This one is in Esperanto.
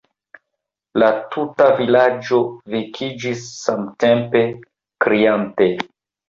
La tuta vilaĝo vekiĝis samtempe, kriante.